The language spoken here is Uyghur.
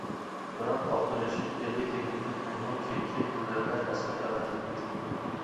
بىراق، ئابدۇرېشىت ئېلى دېگەندەك، مەنمۇ كېيىنكى كۈنلەردە ئەسەر ئەۋەتەلمىدىم.